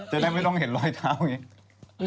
จะได้ไม่ต้องเห็นรอยเท้าอย่างนี้